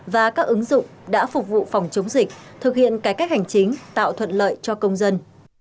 và các ứng dụng đã phục vụ phòng chống dịch thực hiện cải cách hành chính tạo thuận lợi cho công dân